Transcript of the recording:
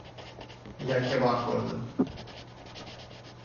Yakkabarg bo‘ldi.